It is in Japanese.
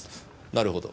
なるほど。